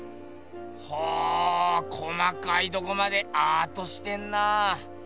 ほぉ細かいとこまでアートしてんな。